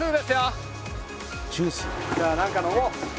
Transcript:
じゃあなんか飲もう。